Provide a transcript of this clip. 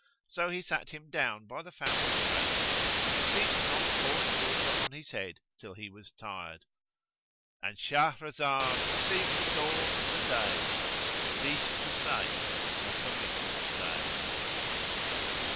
So he sat him down by the fountain basin, and ceased not pouring water on his head, till he was tired.—And Shahrazad perceived the dawn of day and ceased to say her permitted say.